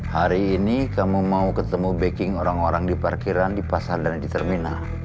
hari ini kamu mau ketemu baking orang orang di parkiran di pasar dan di terminal